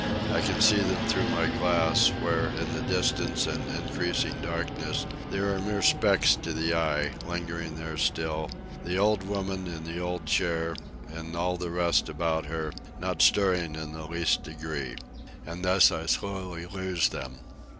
I can see them through my glass, when, in the distance and increasing darkness, they are mere specks to the eye: lingering there still: the old woman in the old chair, and all the rest about her: not stirring in the least degree. And thus I slowly lose them.